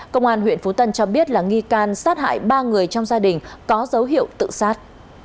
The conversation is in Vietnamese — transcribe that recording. công an huyện phú tân cho biết là nghi can sát hại ba người trong gia đình có dấu hiệu tự sát